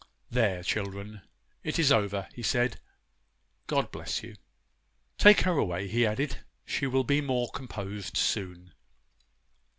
'There, children, it is over,' he said. 'God bless you!' 'Take her away,' he added, 'she will be more composed soon.